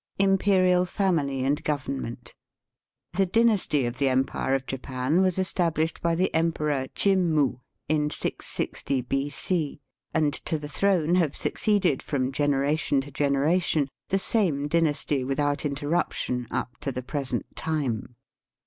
Imperial Family and Government. — The dynasty of the empire of Japan was estab lished by the Emperor Jimmu, in 660 B.C., and to the throne have succeeded, from gene ration to generation, the same dynasty with out interruption up to the present time.